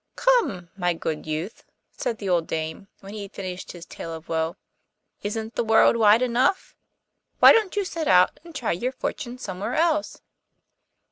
'Come, my good youth,' said the old dame, when he had finished his tale of woe, 'isn't the world wide enough? Why don't you set out and try your fortune somewhere else?